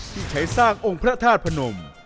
ที่ใช้สร้างองค์พระธาตุพนม